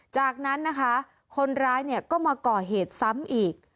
จากนั้นนะคะคนร้ายเนี่ยก็มาก่อเหตุซ้ำอีก